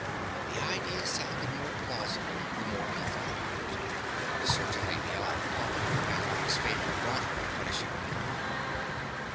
The idea sounded more plausible the more he thought about it. "Certainly the All Father would back up his favorite Daughter in punishing a mortal."